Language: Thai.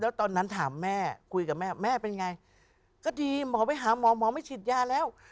แล้วตอนนั้นถามแม่คุยกับแม่แม่เป็นไงก็ดีหมอไปหาหมอหมอไม่ฉีดยาแล้ว